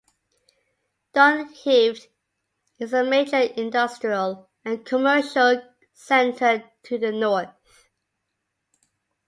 Dunheved is a major industrial, and commercial centre to the North.